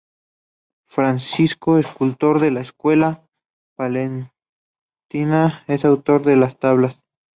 Francisco Giralte, escultor de la escuela palentina es el autor de las tablas.